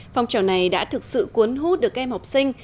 phong trò này đã thực sự cuốn hút được em học sinh